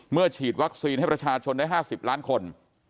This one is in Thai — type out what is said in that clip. ฉีดวัคซีนให้ประชาชนได้๕๐ล้านคน